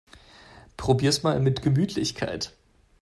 Probier's mal mit Gemütlichkeit!